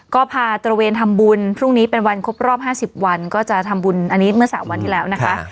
ก็พาตระเวนทำบุญพรุ่งนี้เป็นวันครบรอบ๕๐วันก็จะทำบุญอันนี้เมื่อ๓วันที่แล้วนะคะ